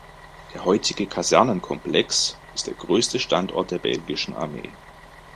Der heutige Kasernenkomplex ist der größte Standort der belgischen Armee.